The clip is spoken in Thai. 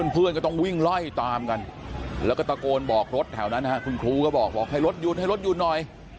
เพื่อนก็ต้องวิ่งไล่ตามกันแล้วก็ตะโกนบอกรถแถวนั้นคุณครูก็บอกบอกให้รถหยุดให้รถหยุดหน่อย